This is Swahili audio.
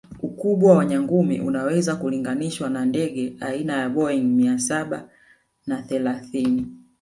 Ukubwa wa nyangumi unaweza kulinganishwa na ndege aina ya Boeing mia Saba na thelathini